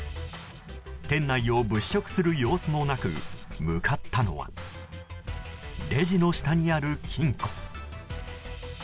店内を物色する様子もなく向かったのはレジの下にある金庫。